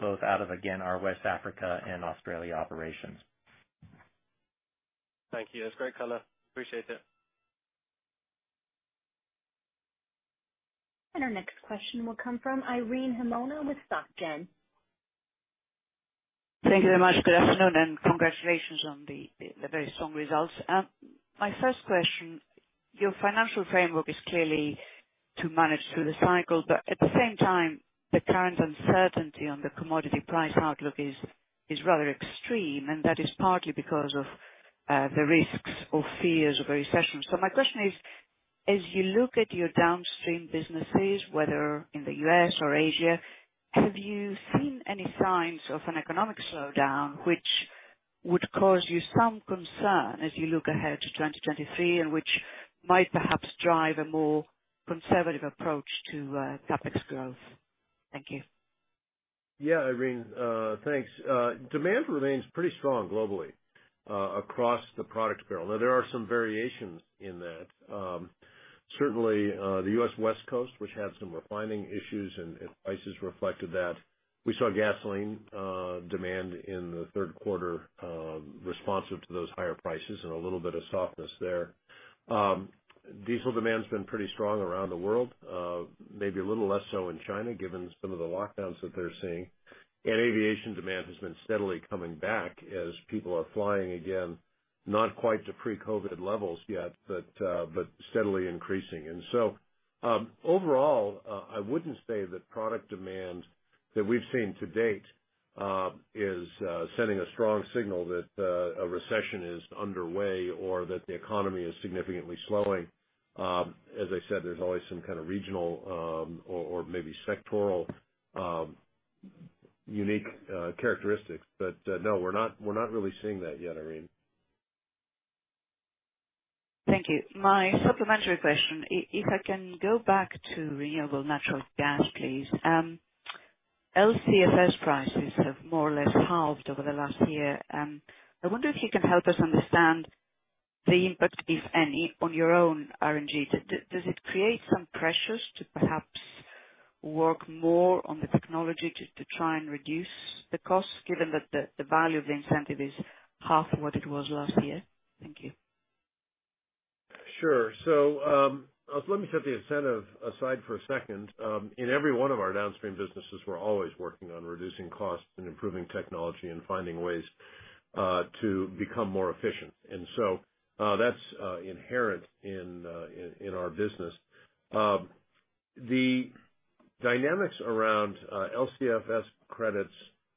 D: both out of, again, our West Africa and Australia operations.
N: Thank you. That's great color. Appreciate it.
A: Our next question will come from Irene Himona with Société Générale.
O: Thank you very much. Good afternoon, and congratulations on the very strong results. My first question, your financial framework is clearly to manage through the cycle, but at the same time, the current uncertainty on the commodity price outlook is rather extreme, and that is partly because of the risks or fears of a recession. My question is, as you look at your downstream businesses, whether in the U.S. or Asia, have you seen any signs of an economic slowdown which would cause you some concern as you look ahead to 2023 and which might perhaps drive a more conservative approach to CapEx growth? Thank you.
C: Yeah, Irene, thanks. Demand remains pretty strong globally, across the product barrel. Now there are some variations in that. Certainly, the U.S. West Coast, which had some refining issues and prices reflected that. We saw gasoline demand in the Q3, responsive to those higher prices and a little bit of softness there. Diesel demand's been pretty strong around the world, maybe a little less so in China, given some of the lockdowns that they're seeing. Aviation demand has been steadily coming back as people are flying again, not quite to pre-COVID levels yet, but steadily increasing. Overall, I wouldn't say that product demand that we've seen to date is sending a strong signal that a recession is underway or that the economy is significantly slowing. As I said, there's always some kind of regional, or maybe sectoral, unique characteristics. No, we're not really seeing that yet, Irene.
O: Thank you. My supplementary question, if I can go back to renewable natural gas, please. LCFS prices have more or less halved over the last year. I wonder if you can help us understand the impact, if any, on your own RNG. Does it create some pressures to perhaps work more on the technology to try and reduce the costs, given that the value of the incentive is half of what it was last year? Thank you.
C: Sure. Let me set the incentive aside for a second. In every one of our downstream businesses, we're always working on reducing costs and improving technology and finding ways to become more efficient. That's inherent in our business. The dynamics around LCFS credits,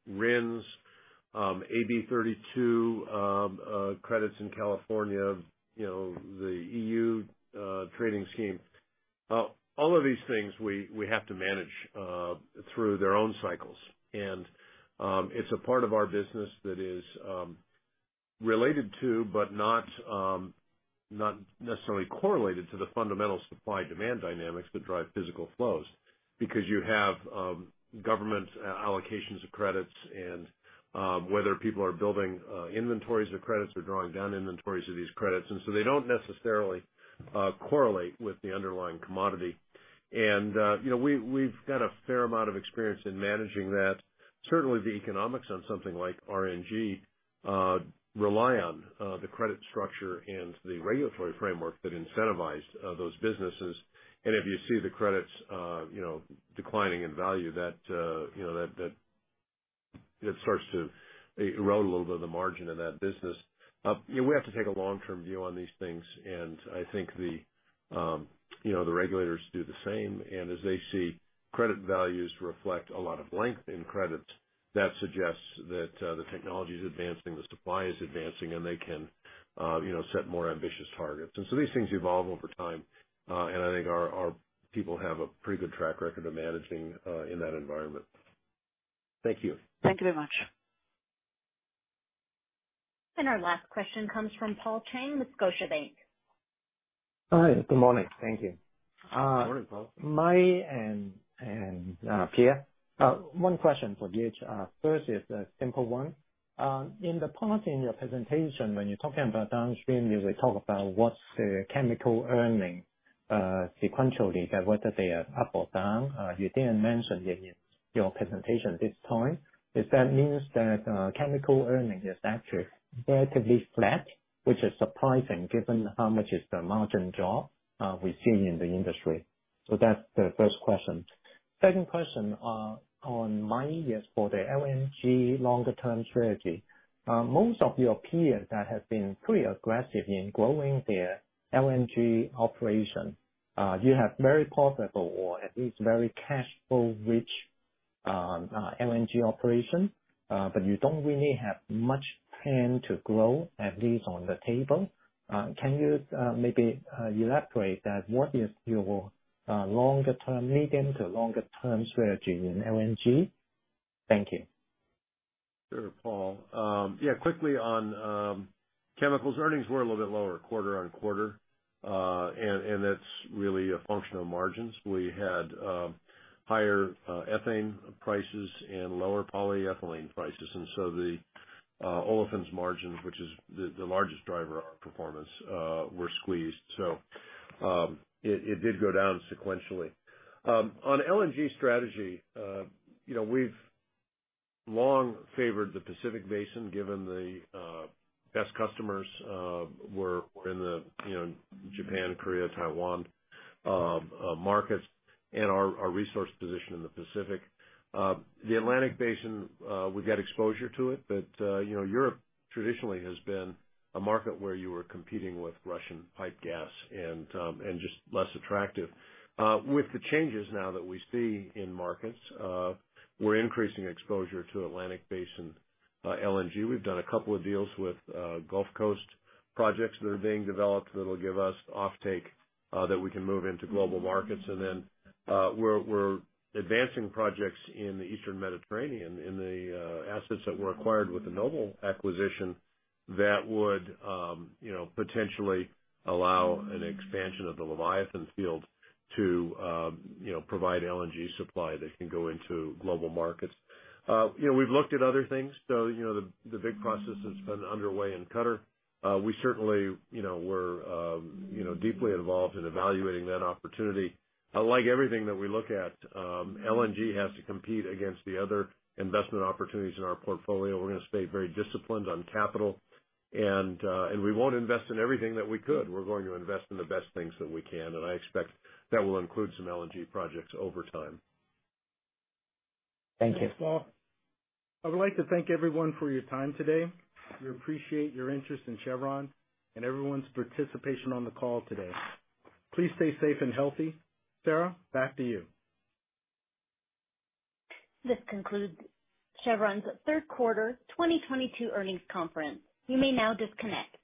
C: RINs, AB 32, credits in California, the EU trading scheme, all of these things we have to manage through their own cycles. It's a part of our business that is related to but not necessarily correlated to the fundamental supply-demand dynamics that drive physical flows, because you have government allocations of credits and whether people are building inventories of credits or drawing down inventories of these credits. They don't necessarily correlate with the underlying commodity. You know, we've got a fair amount of experience in managing that. Certainly, the economics on something like RNG rely on the credit structure and the regulatory framework that incentivize those businesses. If you see the credits, declining in value, that it starts to erode a little bit of the margin of that business. You know, we have to take a long-term view on these things, and I think the regulators do the same. As they see credit values reflect a lot of length in credits, that suggests that the technology is advancing, the supply is advancing, and they can set more ambitious targets. These things evolve over time, and I think our people have a pretty good track record of managing in that environment. Thank you.
O: Thank you very much.
A: Our last question comes from Paul Cheng with Scotiabank.
P: Hi. Good morning. Thank you.
C: Good morning, Paul.
P: Mike Wirth and Pierre Breber, one question for each. First is a simple one. In the past, in your presentation, when you're talking about downstream, you would talk about what's the chemical earnings. Sequentially, whether they are up or down, you didn't mention it in your presentation this time. If that means that chemical earnings is actually relatively flat, which is surprising given how much of a margin drop we see in the industry. That's the first question. Second question, on my end for the LNG longer term strategy. Most of your peers that have been pretty aggressive in growing their LNG operation, you have very profitable or at least very cash flow rich LNG operation, but you don't really have much plan to grow, at least on the table. Can you maybe elaborate that what is your medium- to longer-term strategy in LNG? Thank you.
C: Sure, Paul. Yeah, quickly on chemicals. Earnings were a little bit lower quarter-over-quarter. And that's really a function of margins. We had higher ethane prices and lower polyethylene prices, and so the olefins margin, which is the largest driver of our performance, were squeezed. It did go down sequentially. On LNG strategy, we've long favored the Pacific Basin given the best customers were in the Japan, Korea, Taiwan markets and our resource position in the Pacific. The Atlantic Basin, we've got exposure to it, but know, Europe traditionally has been a market where you were competing with Russian pipeline gas and just less attractive. With the changes now that we see in markets, we're increasing exposure to Atlantic Basin LNG. We've done a couple of deals with Gulf Coast projects that are being developed that'll give us offtake that we can move into global markets. We're advancing projects in the Eastern Mediterranean in the assets that were acquired with the Noble acquisition that would potentially allow an expansion of the Leviathan field to provide LNG supply that can go into global markets. You know we've looked at other things; the big process has been underway in Qatar. We certainly deeply involved in evaluating that opportunity. Unlike everything that we look at, LNG has to compete against the other investment opportunities in our portfolio. We're gonna stay very disciplined on capital, and we won't invest in everything that we could. We're going to invest in the best things that we can, and I expect that will include some LNG projects over time.
P: Thank you.
B: Thanks, Paul. I would like to thank everyone for your time today. We appreciate your interest in Chevron and everyone's participation on the call today. Please stay safe and healthy. Sarah, back to you.
A: This concludes Chevron's Q3 2022 earnings conference. You may now disconnect.